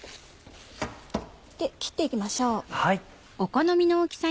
切って行きましょう。